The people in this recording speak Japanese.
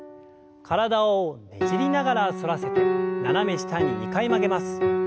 体をねじりながら反らせて斜め下に２回曲げます。